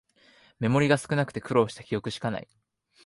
メモリが少なくて苦労した記憶しかない